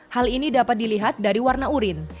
hal ini dapat dilihat dari warna urin